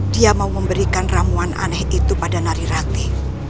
dia mau memberikan ramuan aneh itu pada narirati